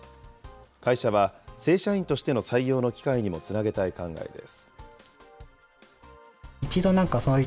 会社は正社員としての採用の機会にもつなげたい考えです。